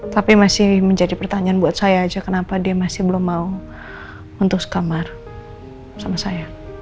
tapi masih menjadi pertanyaan buat saya aja kenapa dia masih belum mau untuk sekamar sama saya